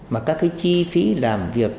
mà các cái chi phí làm việc